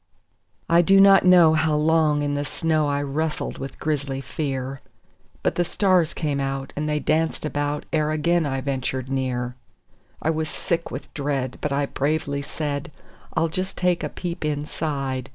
I do not know how long in the snow I wrestled with grisly fear; But the stars came out and they danced about ere again I ventured near; I was sick with dread, but I bravely said: "I'll just take a peep inside.